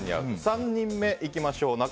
３人目いきましょう。